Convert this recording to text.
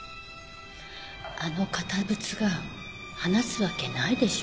あの堅物が話すわけないでしょ？